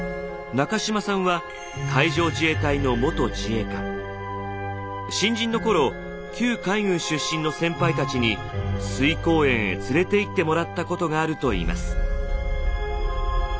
中島さんは新人の頃旧海軍出身の先輩たちに翠光園へ連れていってもらったことがあるといいます。